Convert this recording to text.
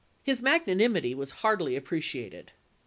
His magnanimity was hardly appreciated.